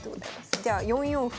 じゃあ４四歩。